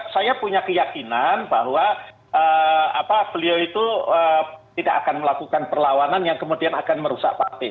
saya punya keyakinan bahwa beliau itu tidak akan melakukan perlawanan yang kemudian akan merusak partai